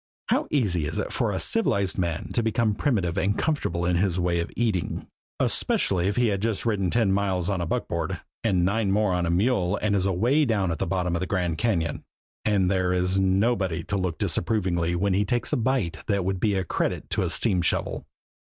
How easy it is for civilized man to become primitive and comfortable in his way of eating, especially if he has just ridden ten miles on a buckboard and nine more on a mule and is away down at the bottom of the Grand Cañon and there is nobody to look on disapprovingly when he takes a bite that would be a credit to a steam shovel!